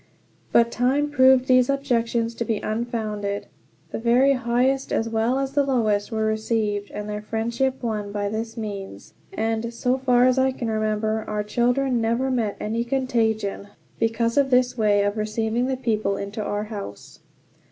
But time proved these objections to be unfounded. The very highest as well as the lowest were received, and their friendship won by this means. And, so far as I can remember, our children never met any contagion because of this way of receiving the people into our house.